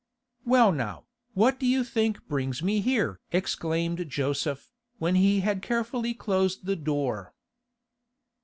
'Well now, what do you think brings me here?' exclaimed Joseph, when he had carefully closed the door.